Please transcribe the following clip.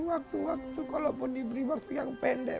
waktu waktu kalaupun diberi waktu yang pendek